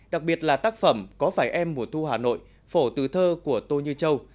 đặc biệt là tác phẩm có phải em mùa thu hà nội phổ từ thơ của tô như châu